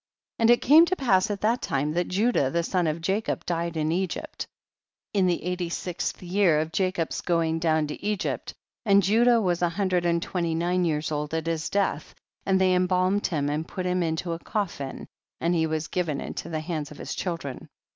23. And it came to pass at that time that Judah the son of Jacob died in Egypt, in the eighty sixth year of Jacob's going down to Egypt, and Judah was a hundred and twenty nine years old at his death, and they embalmed him and put him into a a coffin and he was given into the hands of his children.